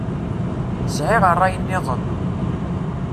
Sɛiɣ rray-nniḍen.